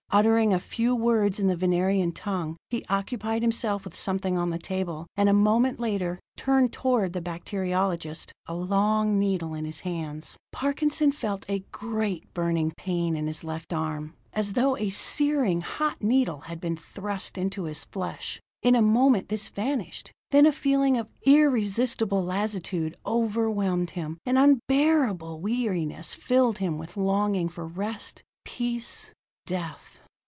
Uttering a few words in the Venerian tongue, he occupied himself with something on the table, and a moment later turned toward the bacteriologist, a long needle in his hands. Parkinson felt a great burning pain in his left arm, as though a searing, hot needle had been thrust into his flesh. In a moment this vanished. Then a feeling of irresistible lassitude overwhelmed him; an unbearable weariness filled him with longing for rest, peace death.